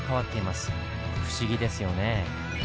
不思議ですよね。